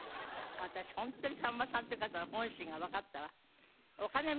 私ホントにさんまさんっていう方の本心がわかったわ。